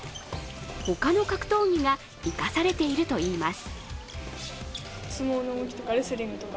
他の格闘技が生かされているといいます。